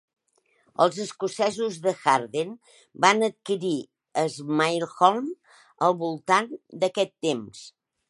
Els escocesos de Harden van adquirir Smailholm al voltant d'aquest temps.